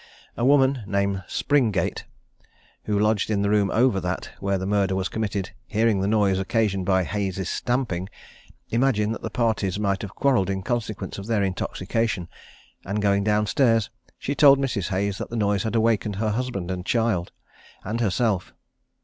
A woman, named Springate, who lodged in the room over that where the murder was committed, hearing the noise occasioned by Hayes's stamping, imagined that the parties might have quarrelled in consequence of their intoxication; and going down stairs, she told Mrs. Hayes that the noise had awakened her husband, her child, and herself.